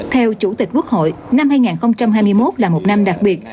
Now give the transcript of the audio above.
theo chủ tịch quốc hội năm hai nghìn hai mươi một là một năm đặc biệt